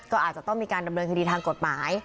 ก็อาจจะต้องมีการดำเนินคดีทางกฎหมาย